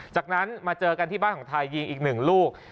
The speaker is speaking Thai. จากนั้นมาเจอกันที่บ้านของไทยยิงอีกหนึ่งลูก